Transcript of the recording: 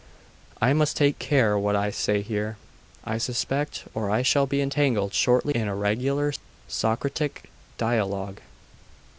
'I must take care what I say here, I suspect, or I shall be entangled shortly in a regular Socratic dialogue....